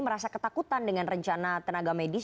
merasa ketakutan dengan rencana tenaga medis